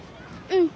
うん。